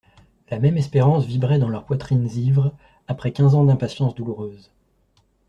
La même espérance vibrait dans leurs poitrines ivres, après quinze ans d'impatience douloureuse.